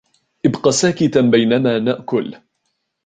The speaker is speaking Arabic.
ابق ساكتا بينما نأكل.